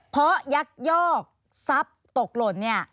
เพราะยักยอกทรัพย์ตกหล่นเนี่ย